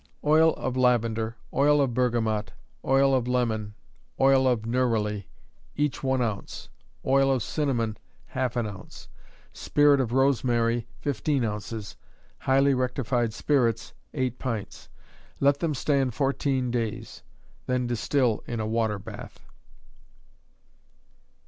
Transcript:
_ Oil of lavender, oil of bergamot, oil of lemon, oil of neroli, each one ounce; oil of cinnamon, half an ounce; spirit of rosemary, fifteen ounces; highly rectified spirits, eight pints. Let them stand fourteen days; then distil in a water bath.